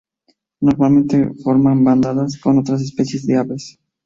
Normalmente forman bandadas con otras especies de aves.